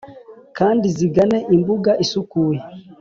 kandi zigane imbuga isukuye